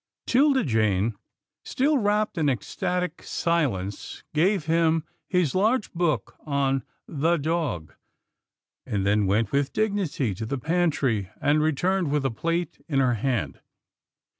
'Tilda Jane, still wrapped in ecstatic silence, gave him his large book on " The Dog," and then went with dignity to the pantry and returned with a plate in her hand.